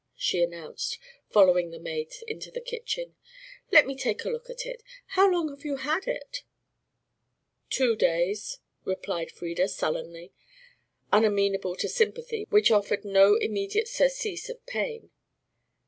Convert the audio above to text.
she announced, following the maid into the kitchen. "Let me take a look at it? How long have you had it?" "Two days," replied Frieda sullenly, unamenable to sympathy which offered no immediate surcease of pain.